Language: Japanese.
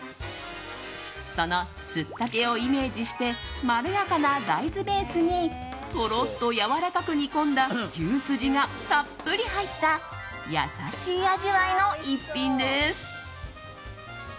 そのすったてをイメージしてまろやかな大豆ベースにとろっとやわらかく煮込んだ牛すじがたっぷり入った優しい味わいの逸品です。